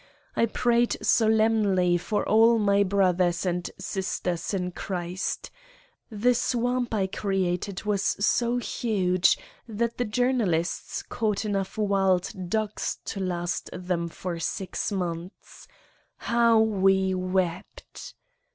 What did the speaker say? I prayed solemnly for all my brothers and sisters in Christ. The swamp I created was so huge that 54 Satan's Diary the journalists caught enough wild ducks to last them for six months. How we wept